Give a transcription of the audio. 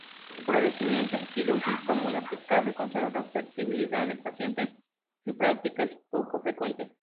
Procedimiento quirúrgico muy aplicable, conserva la fertilidad del paciente, su práctica es poco frecuente.